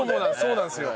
そうなんですよ。